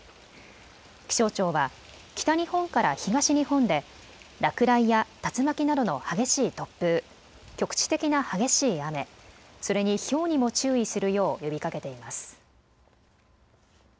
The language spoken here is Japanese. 気象庁は北日本から東日本で落雷や竜巻などの激しい突風、局地的な激しい雨、それにひょうにも注意するよう呼びかけています。